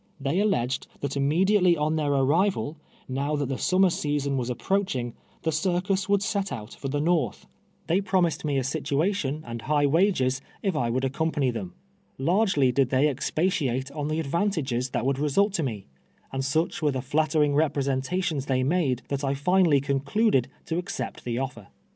They alleged that immediately on their arrival, now that the summer season was ap proaching, the circus would set out for the north. They promised me a situation and high wages if I 32 T^^^:L^^^ years a slave. would accompany them. Largely did tliey expatiate on the advantages that would result to me, and such wore the flattering representations they made, that I finally concluded to accej^t the offer.